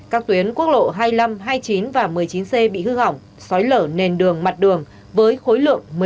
các tuyến quốc lộ hai mươi năm hai mươi chín và một mươi chín c bị hư hỏng sói lở nền đường mặt đường với khối lượng một mươi năm mét khối đất đá